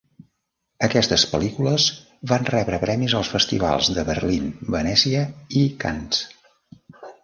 Aquestes pel·lícules van rebre premis als festivals de Berlín, Venècia i Cannes.